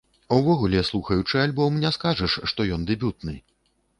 Увогуле, слухаючы альбом, не скажаш, што ён дэбютны.